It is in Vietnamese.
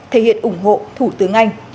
thể hiện ủng hộ thủ tướng anh